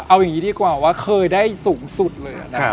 เอาอย่างนี้ดีกว่าว่าเคยได้สูงสุดเลยนะครับ